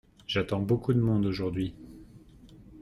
J'attends beaucoup de monde aujourd'hui.